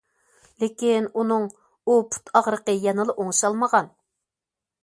لېكىن، ئۇنىڭ ئۇ پۇت ئاغرىقى يەنىلا ئوڭشالمىغان.